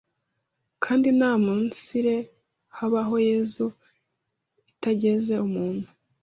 kandi nta umunsire habaho Yesu itageza umuntu